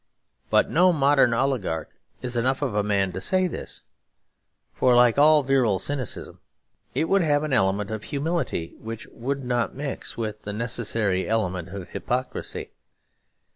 But no modern oligarch is enough of a man to say this. For like all virile cynicism it would have an element of humility; which would not mix with the necessary element of hypocrisy.